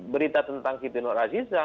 berita tentang siti nur aziza